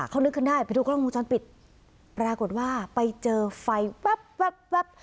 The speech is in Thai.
เขานึกขึ้นได้ไปดูกล้องวงจรปิดปรากฏว่าไปเจอไฟแป๊บ